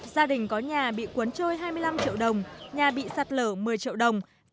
gia đình có nhà bị cuốn trôi hai mươi năm triệu đồng nhà bị sạt lở một mươi triệu đồng